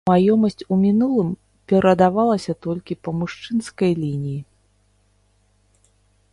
Маёмасць у мінулым перадавалася толькі па мужчынскай лініі.